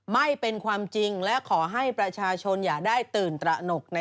ไม่เป็นความจริงและขอให้ประชาชนอย่าได้ตื่นตระหนก